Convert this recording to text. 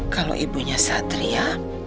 kalau ibunya satria